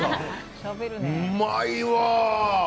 うまいわ！